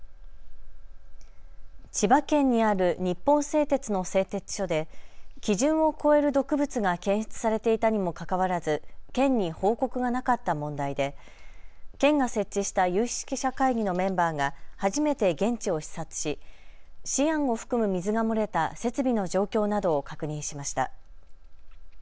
千葉県にある日本製鉄の製鉄所で基準を超える毒物が検出されていたにもかかわらず県に報告がなかった問題で県が設置した有識者会議のメンバーが初めて現地を視察しシアンを含む水が漏れた設備の状況などを確認しました。